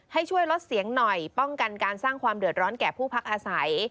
ให้ช่วยลดเสียงหน่อยป้องกันการสร้างความเดือดร้อนแก่ผู้พักอาศัย